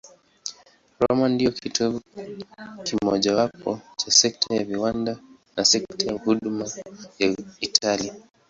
Roma ndiyo kitovu kimojawapo cha sekta ya viwanda na sekta ya huduma ya Italia.